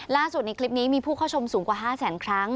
ในคลิปนี้มีผู้เข้าชมสูงกว่า๕แสนครั้ง